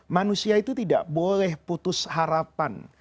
manusia itu tidak boleh putus harapan